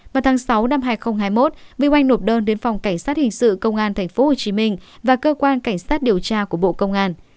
vào tháng sáu năm hai nghìn hai mươi một vinh oanh nộp đơn đến phòng cảnh sát hình sự công an tp hcm và cơ quan cảnh sát điều tra của bộ công an